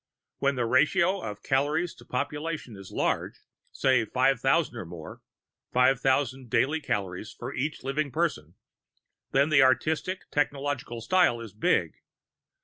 When the ratio Calories to Population is large say, five thousand or more, five thousand daily calories for every living person then the Artistic Technological Style is big.